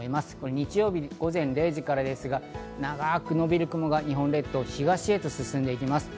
日曜日午前０時からですが、長く伸びる雲が日本列島、東へと進んでいきます。